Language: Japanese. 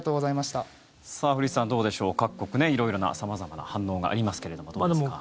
古市さん、どうでしょう各国、色々な様々な反応がありますけれども、どうですか？